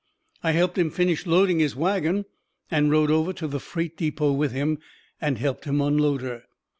I helped him finish loading his wagon and rode over to the freight depot with him and helped him unload her.